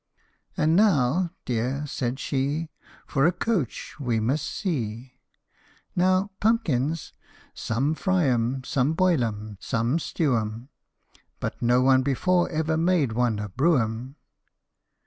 " And now, dear," said she, " For a coach we must see ! Now pumpkins some fry 'em, some boil 'em, some stew 'em, But no one before ever made one a brougham.''